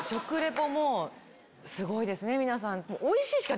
すごいですね皆さん。